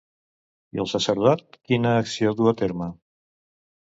I el sacerdot quina acció du a terme?